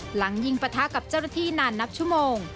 หลังยิงปะทะกับเจ้าหน้าที่นานนับชั่วโมง